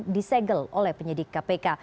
disegel oleh penyidik kpk